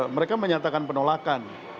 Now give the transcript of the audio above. mereka menyatakan penolakan